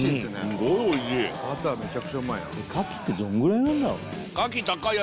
すごいおいしいバターめちゃくちゃうまいな牡蠣ってどんぐらいなんだろうね